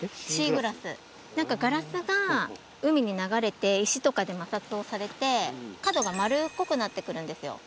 ガラスが海に流れて石とかで摩擦をされて角が丸っこくなって来るんですよ。